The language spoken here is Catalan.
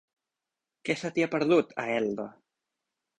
Què se t'hi ha perdut, a Elda?